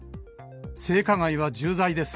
性加害は重罪です。